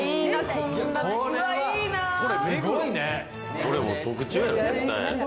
これ特注や、絶対。